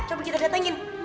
coba kita datengin